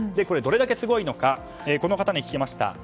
これ、どれだけすごいのかこの方に聞きました。